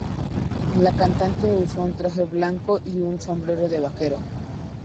La cantante usó un traje blanco y un sombrero de vaquero.